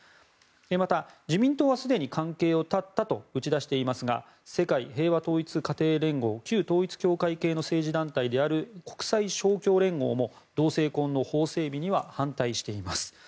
また、自民党はすでに関係を絶ったと打ち出していますが世界平和統一家庭連合旧統一教会系の政治団体である国際勝共連合も同性婚の法整備には反対しています。